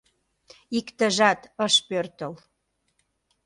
Иктыжат ыш пӧртыл.